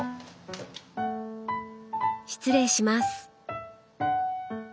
失礼します。